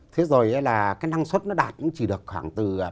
thế rồi là cái năng suất nó đạt cũng chỉ được khoảng từ